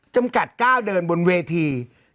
จำกัดก้าวเดินบนเวที